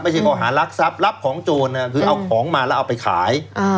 ข้อหารักทรัพย์รับของโจรคือเอาของมาแล้วเอาไปขาย